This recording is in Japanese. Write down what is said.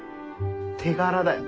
手柄だよ。